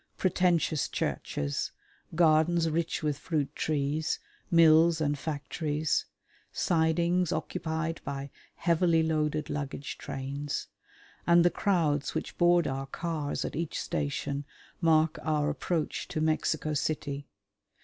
Pretentious churches, gardens rich with fruit trees, mills and factories, sidings occupied by heavily loaded luggage trains, and the crowds which board our cars at each station mark our approach to Mexico City.